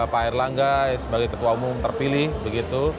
pak erlangga sebagai ketua umum terpilih begitu